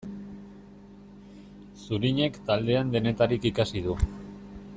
Zurinek taldean denetarik ikasi du.